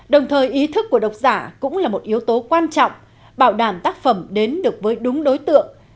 đồng thời ý thức của độc giả cũng là một yếu tố quan trọng bảo đảm tác phẩm đến được với đúng đối tượng